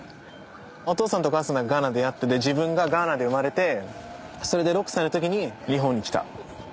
お父さんとお母さんがガーナで出会って自分がガーナで生まれてそれで６歳の時に日本に来た。